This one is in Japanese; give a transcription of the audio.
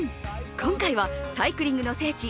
今回はサイクリングの聖地